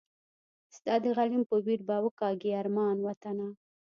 ستا د غلیم په ویر به وکاږي ارمان وطنه